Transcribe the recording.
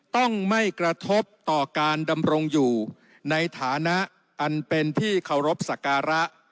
ต้องไม่กระทบต่อการดำรงอยู่ในฐานะอันเป็นที่เคารพสักการะ